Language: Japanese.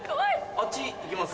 あっち行きます？